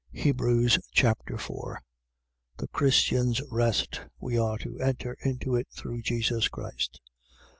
Hebrews Chapter 4 The Christian's rest. We are to enter into it through Jesus Christ.